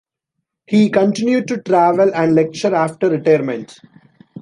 He continued to travel and lecture after retirement.